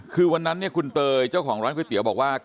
คือวันนั้นคุณเตยเจ้าของร้านก๋วยเตี๋ยวบอกว่า